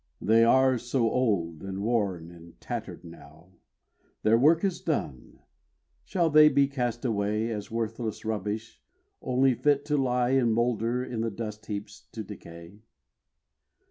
They are so old, and worn, and tattered now, Their work is done shall they be cast away As worthless rubbish, only fit to lie And moulder in the dust heaps, to decay?